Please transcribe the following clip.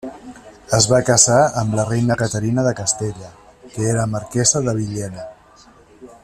Es va casar amb la reina Caterina de Castella, que era marquesa de Villena.